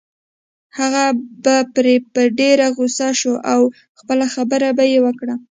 هغه به پرې په ډېره غصه شو او خپله خبره به يې وکړه.